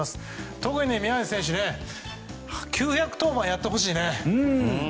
特に宮西選手９００登板やってほしいね。